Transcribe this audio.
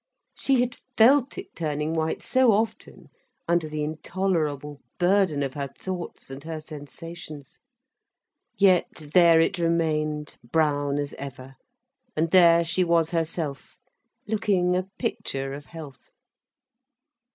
She had felt it turning white so often, under the intolerable burden of her thoughts, und her sensations. Yet there it remained, brown as ever, and there she was herself, looking a picture of health.